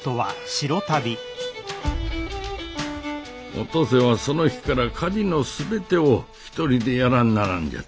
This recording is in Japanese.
お登勢はその日から家事の全てを一人でやらんならんじゃった。